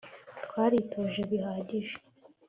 Twaritoje bihagije